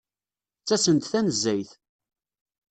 Ttasen-d tanezzayt.